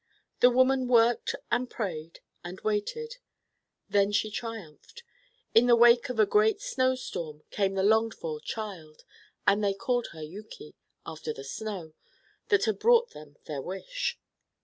The woman worked and prayed and waited. Then she triumphed. In the wake of a great snow storm came the longed for child, and they called her Yuki, after the snow that had brought them their wish.